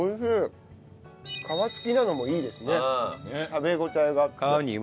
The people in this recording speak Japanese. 食べ応えがあって。